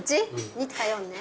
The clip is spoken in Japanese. ２と４ね。